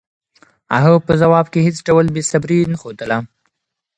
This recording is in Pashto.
هغه په ځواب کې هېڅ ډول بېصبري نه ښودله.